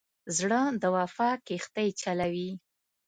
زړه د وفا کښتۍ چلوي.